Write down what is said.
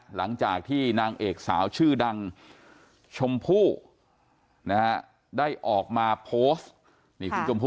หลังจากที่นางเอกสาวชื่อดังชมพู่ได้ออกมาโพสต์